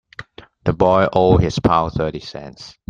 The boy owed his pal thirty cents.